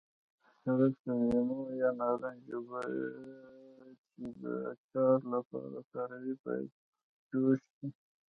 سرکه، د لیمو یا نارنج اوبه چې د اچار لپاره کاروي باید جوش شي.